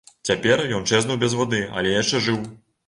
Цяпер ён чэзнуў без вады, але яшчэ жыў.